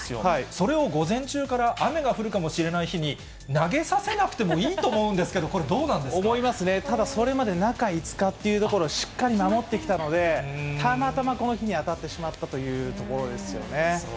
それを午前中から、雨が降るかもしれない日に投げさせなくてもいいと思うんですけど、思いますね、ただ、それまで中５日っていうところをしっかり守ってきたので、たまたまこの日に当たってしまったというところですよね。